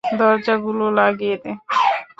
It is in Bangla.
দরজাগুলো লাগিয়ে দে।